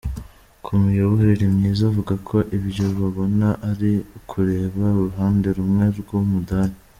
Ku miyoborere myiza avuga ko ibyo babona ari ukureba uruhande rumwe rw’umudari.